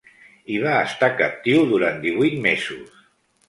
Hi va estar captiu durant divuit mesos.